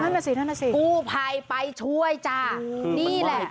นั่นน่ะสินั่นน่ะสิกู้ภัยไปช่วยจ้านี่แหละ